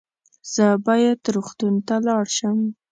زه باید روغتون ته ولاړ شم